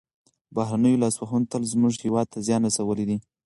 بهرنیو لاسوهنو تل زموږ هېواد ته زیان رسولی دی.